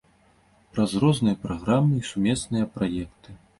Праз розныя праграмы і сумесныя праекты.